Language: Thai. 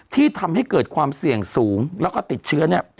ที่ทำให้เกิดความเสี่ยงสูงแล้วก็ติดเชื้อเนี่ย